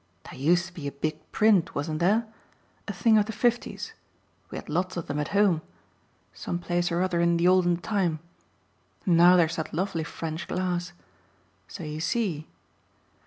"There used to be a big print wasn't there? a thing of the fifties we had lots of them at home; some place or other 'in the olden time.' And now there's that lovely French glass. So you see."